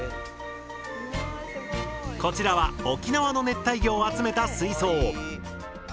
こちらは沖縄の熱帯魚を集めた水槽。